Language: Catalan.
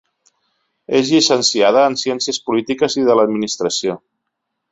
És llicenciada en ciències polítiques i de l’administració.